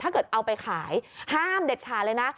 ถ้าเกิดเอาไปขายห้ามเด็ดขาดเลยนะ